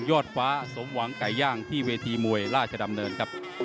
อดฟ้าสมหวังไก่ย่างที่เวทีมวยราชดำเนินครับ